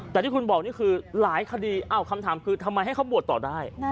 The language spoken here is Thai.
แต่ที่คุณบอกนี่คือหลายคดีคำถามคือทำไมให้เขาบวชต่อได้